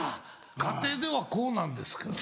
家庭ではこうなんですけどね。